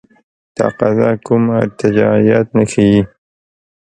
تقاضا کوم ارتجاعیت نه ښیي.